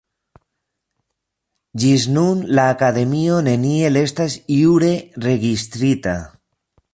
Ĝis nun la Akademio neniel estas jure registrita.